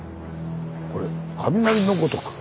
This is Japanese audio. これ「雷のごとく」。